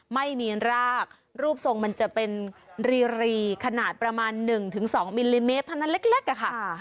ไม่มีรากรูปทรงมันจะเป็นรีขนาดประมาณ๑๒มิลลิเมตรเท่านั้นเล็กอะค่ะ